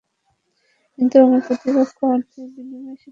কিন্তু আমার প্রতিপক্ষ অর্থের বিনিময়ে সেটা পরিবর্তন করে মনোনয়ন নিয়ে নেয়।